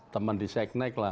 teman di seknek lah